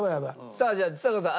さあじゃあちさ子さん